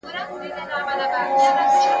د پسونوتر زړو ویني څڅېدلې.